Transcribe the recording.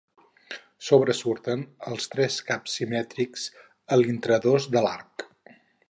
Sobresurten els tres caps simètrics a l'intradós de l'arc.